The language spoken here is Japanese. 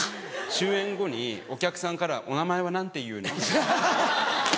終演後にお客さんから「お名前は何ていうの？」。